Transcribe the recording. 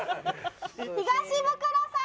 東ブクロさん